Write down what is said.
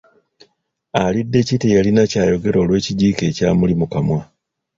Aliddeki teyalina kyayogera olw’ekijiiko ekyamuli mu kamwa.